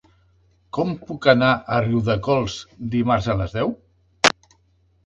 Com puc anar a Riudecols dimarts a les deu?